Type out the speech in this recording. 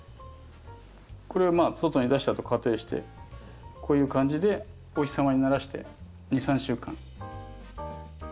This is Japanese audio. これを外に出したと仮定してこういう感じでお日様に慣らして２３週間。